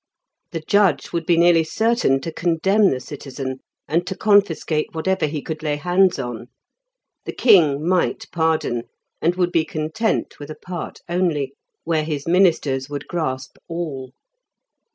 The judge would be nearly certain to condemn the citizen, and to confiscate whatever he could lay hands on. The king might pardon, and would be content with a part only, where his ministers would grasp all.